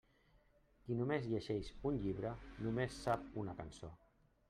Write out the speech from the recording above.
Qui només llegeix un llibre, només sap una cançó.